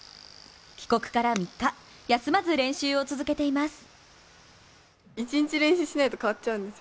帰国から３日、休まず練習を続けています。